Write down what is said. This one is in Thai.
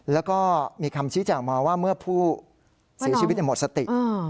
แล้วก็มีคำชี้แจงมาว่าเมื่อผู้เสียชีวิตหมดสติ